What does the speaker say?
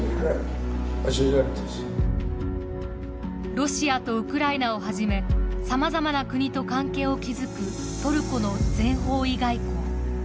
ロシアとウクライナをはじめさまざまな国と関係を築くトルコの全方位外交。